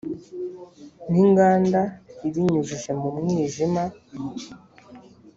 n inganda ibinyujije mu mwijima